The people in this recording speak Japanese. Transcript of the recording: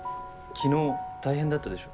昨日大変だったでしょ。